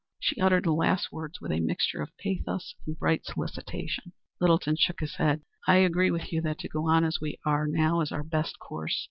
She uttered the last words with a mixture of pathos and bright solicitation. Littleton shook his head. "I agree with you that to go on as we are is our best course.